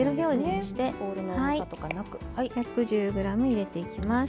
１１０ｇ入れていきます。